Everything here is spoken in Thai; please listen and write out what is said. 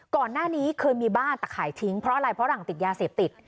ก่อนหน้านี้เคยมีบ้านแต่ขายทิ้งเพราะอะไรเพราะหลังติดยาเสพติด